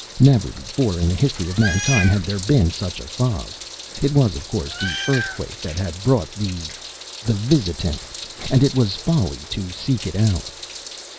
Never before in the history of mankind had there been such a fog. It was, of course, the earthquake that had brought the the Visitant. And it was folly to seek it out.